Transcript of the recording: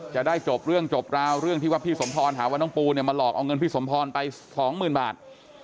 จะได้จบเรื่องจบราวเรื่องที่ว่าพี่สมพรหาว่าน้องปูเนี่ยมาหลอกเอาเงินพี่สมพรไปสองหมื่นบาท